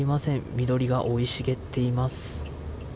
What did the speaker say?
緑が生い茂っています。